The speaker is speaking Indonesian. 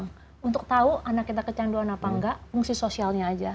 untuk tahu anak kita kecanduan apa enggak fungsi sosialnya aja